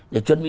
để chuẩn bị